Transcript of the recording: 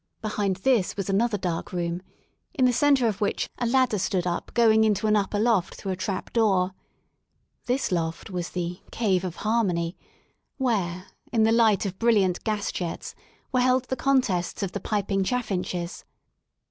Behind this was another dark room, in the centre of which a ladder stood 124 LONDON AT LEISURE up going into an upper loft through a trap doon This loft was the *'Cave of Harmony*' where, in the light of brilliant gas jets were held the contests of the piping chaffinches.